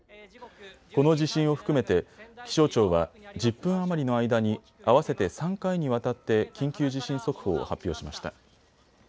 この地震を含めて気象庁は１０分余りの間に合わせて３回にわたって緊急地震速報を発表しました。